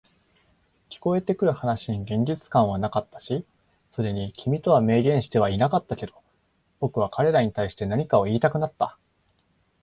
聞こえてくる話に現実感はなかったし、それに君とは明言してはいなかったけど、僕は彼らに対して何かを言いたくなった。